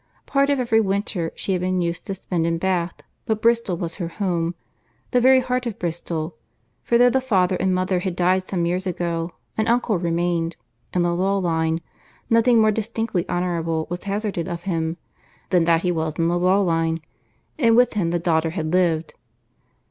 Part of every winter she had been used to spend in Bath; but Bristol was her home, the very heart of Bristol; for though the father and mother had died some years ago, an uncle remained—in the law line—nothing more distinctly honourable was hazarded of him, than that he was in the law line; and with him the daughter had lived.